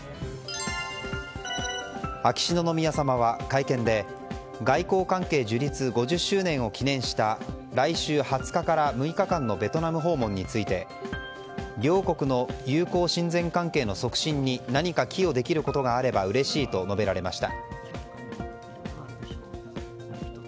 秋篠宮さまは会見で外交関係樹立５０周年を記念した来週２０日から６日間のベトナム訪問について両国の友好親善関係の促進に何か寄与できることがあればうれしいと述べられました。